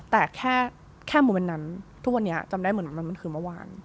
แต่แค่โมเมนต์นั้นทุกวันนี้จำได้เหมือนมันคือเมื่อวาน